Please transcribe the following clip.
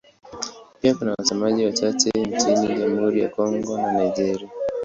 Pia kuna wasemaji wachache nchini Jamhuri ya Kongo na Nigeria.